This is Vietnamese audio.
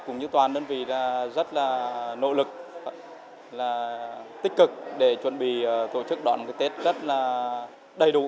đồng như toàn nhân viên rất là nỗ lực tích cực để chuẩn bị tổ chức đón tết rất là đầy đủ